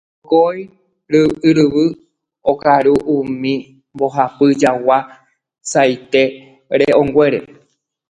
Pokõi yryvu okaru umi mbohapy jagua saite re'õnguére.